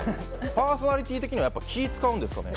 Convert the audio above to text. パーソナリティー的には気を使うんですかね。